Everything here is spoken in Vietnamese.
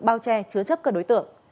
bao che chứa chấp các đối tượng